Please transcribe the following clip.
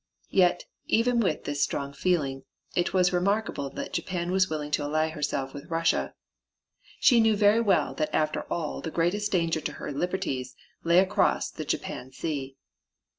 Yet, even with this strong feeling, it was remarkable that Japan was willing to ally herself with Russia. She knew very well that after all the greatest danger to her liberties lay across the Japan Sea.